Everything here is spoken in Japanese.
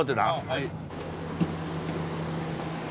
はい。